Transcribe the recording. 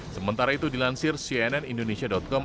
sementara itu dilansir cnn indonesia com